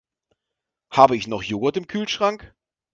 Habe ich noch Joghurt im Kühlschrank?